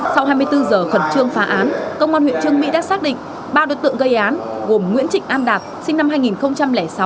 sau hai mươi bốn giờ khẩn trương phá án công an huyện trương mỹ đã xác định ba đối tượng gây án gồm nguyễn trịnh an đạp sinh năm hai nghìn sáu